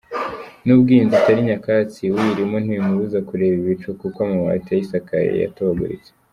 Nubwo iyi nzu itari nyakatsi, uyirimo ntibimubuza kureba ibicu, kuko amabati ayisakaye yatobaguritse.